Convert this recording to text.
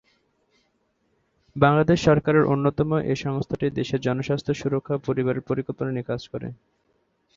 বাংলাদেশ সরকারের অন্যতম এ সংস্থাটি দেশের জনস্বাস্থ্য সুরক্ষায় ও পরিবার পরিকল্পনা নিয়ে কাজ করে।